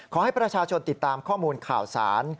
ขอให้ประชาชนติดตามข้อมูลข่าวสาร